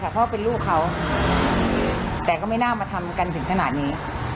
เพราะเป็นลูกเขาแต่ก็ไม่น่ามาทำกันถึงขนาดนี้